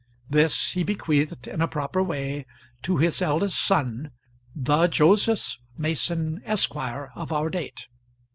This he bequeathed, in a proper way, to his eldest son, the Joseph Mason, Esq., of our date.